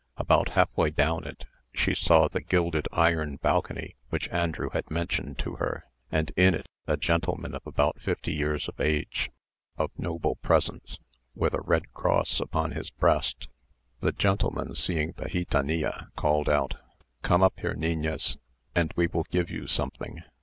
About half way down it, she saw the gilded iron balcony which Andrew had mentioned to her, and in it a gentleman of about fifty years of age, of noble presence, with a red cross on his breast. This gentleman seeing the gitanilla, called out, "Come up here, niñas, and we will give you something."